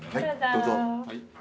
どうぞ。